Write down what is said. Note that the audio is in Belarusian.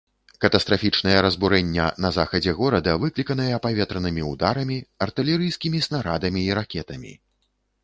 Катастрафічныя разбурэння на захадзе горада выкліканыя паветранымі ўдарамі, артылерыйскімі снарадамі і ракетамі.